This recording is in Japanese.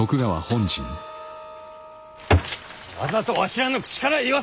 わざとわしらの口から言わせたんじゃ！